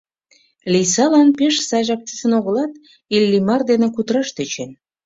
Лийсалан пеш сайжак чучын огылат, Иллимар дене кутыраш тӧчен.